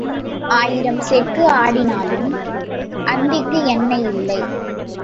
ஆயிரம் செக்கு ஆடினாலும் அந்திக்கு எண்ணெய் இல்லை.